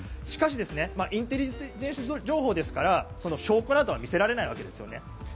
しかしインテリジェンス情報ですから証拠などは見せられないわけですよね。